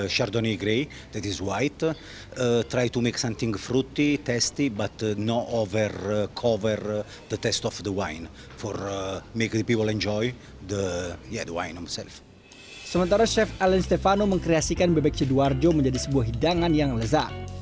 sementara chef alen stefano mengkreasikan bebek sidoarjo menjadi sebuah hidangan yang lezat